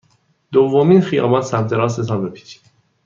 دومین خیابان سمت راست تان بپیچید.